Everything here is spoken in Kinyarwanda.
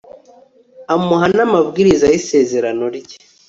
amuha n'amabwiriza y'isezerano rye